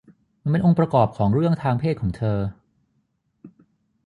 มันเป็นองค์ประกอบของเรื่องทางเพศของเธอ